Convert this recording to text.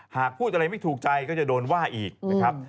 หากพูดอะไรไม่ถูกใจก็จะโดนว่าอีกนะครับ